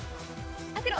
当てろ！